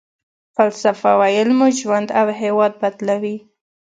فلسفه ويل مو ژوند او هېواد بدلوي.